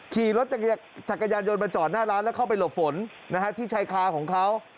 ขี่รถจักรยานยนต์มาจอดหน้าร้านแล้วเข้าไปหลบฝนที่ชายคาของเขา